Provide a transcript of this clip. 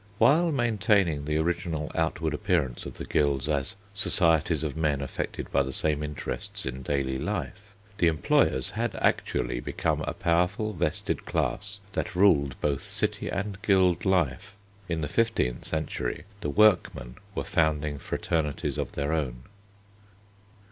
While maintaining the original outward appearance of the guilds as societies of men affected by the same interests in daily life, the employers had actually become a powerful vested class that ruled both city and guild life. In the fifteenth century the workmen were founding fraternities of their own.